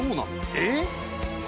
「えっ？」